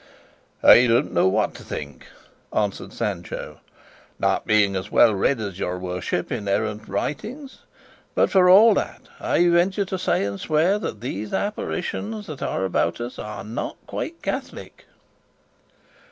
"I don't know what to think," answered Sancho, "not being as well read as your worship in errant writings; but for all that I venture to say and swear that these apparitions that are about us are not quite catholic."